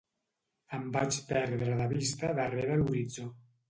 Em vaig perdre de vista darrera l'horitzó.